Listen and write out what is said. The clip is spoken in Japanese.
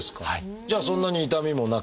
じゃあそんなに痛みもなく？